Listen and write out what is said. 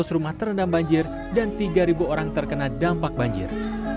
lima ratus rumah terendam banjir dan tiga orang terkena dampak banjir